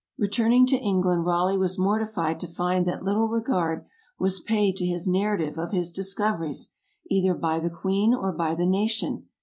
Returning to England Raleigh was mortified to find that little regard was paid to his narrative of his discoveries, either by the queen or by the nation.